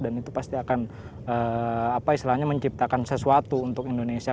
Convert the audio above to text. dan itu pasti akan apa istilahnya menciptakan sesuatu untuk indonesia